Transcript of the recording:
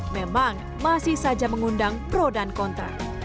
memang masih saja mengundang pro dan kontra